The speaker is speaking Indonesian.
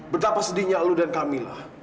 berapa sedihnya lu dan kamila